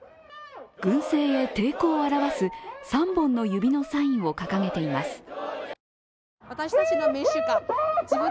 軍政へ抵抗を表す３本の指のサインを掲げています。